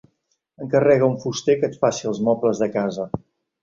Encarrega a un fuster que et faci els mobles de casa.